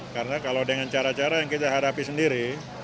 karena kalau dengan cara cara yang kita hadapi sendiri